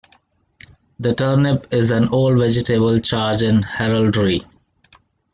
The turnip is an old vegetable charge in heraldry.